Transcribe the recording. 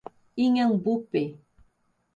Inhambupe